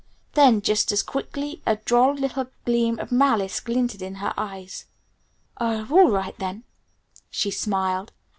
Then just as quickly a droll little gleam of malice glinted in her eyes. "Oh, all right then," she smiled.